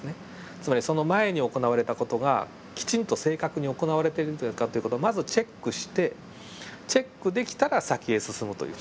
つまりその前に行われた事がきちんと正確に行われているかっていう事をまずチェックしてチェックできたら先へ進むという。